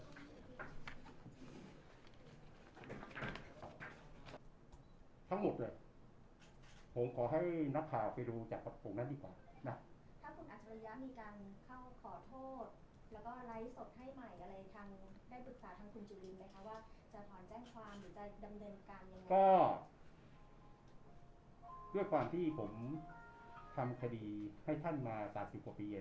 ว่าจะถอนแจ้งความหรือจะดำเนินการยังไงก็ด้วยความที่ผมทำคดีให้ท่านมาสามสิบกว่าปีเย็น